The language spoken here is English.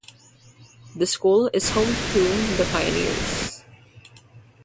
The school is home to the "Pioneers".